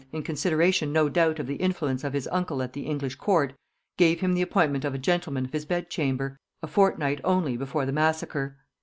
in consideration no doubt of the influence of his uncle at the English court, gave him the appointment of a gentleman of his bed chamber, a fortnight only before the massacre.